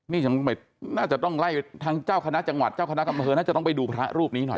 นี่ยังไม่น่าจะต้องไล่ทางเจ้าคณะจังหวัดเจ้าคณะอำเภอน่าจะต้องไปดูพระรูปนี้หน่อย